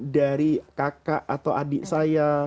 dari kakak atau adik saya